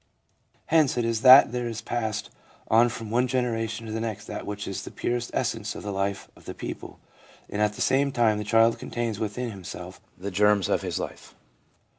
Hence it is that there is passed on from one generation to the next that which is the purest essence of the life of the people, and at the same time the child contains within himself the germs of this life.